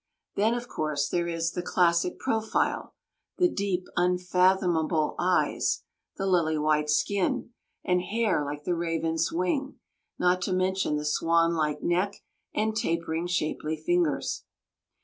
Then, of course, there is the "classic profile," the "deep, unfathomable eyes," the "lily white skin," and "hair like the raven's wing," not to mention the "swan like neck" and "tapering, shapely fingers."